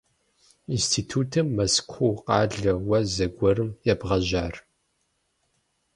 Институтым Мэзкуу къалэ уэ зэгуэрым ебгъэжьар?